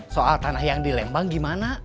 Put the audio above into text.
soal tanah yang di lembang gimana